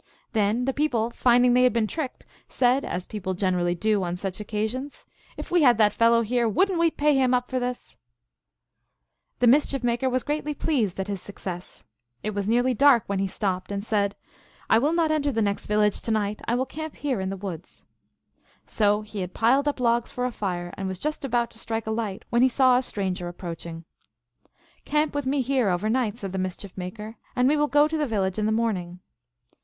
Then the people, finding they had been tricked, said, as people generally do on such occasions, " If we had that fellow here, would n t we pay him up for this ?" The Mischief Maker was greatly pleased at his suc cess. It was nearly dark when he stopped, and said, 44 1 will not enter the next village to night; I. will camp here in the woods." So he had piled up logs for a fire, and was just about to strike a light, when he saw a stranger approaching. " Camp with me here over night," said the Mischief Maker, " and we will go to the village in the morning."